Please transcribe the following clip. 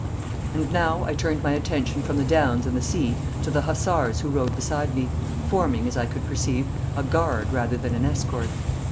And now I turned my attention from the downs and the sea to the hussars who rode beside me, forming, as I could perceive, a guard rather than an escort.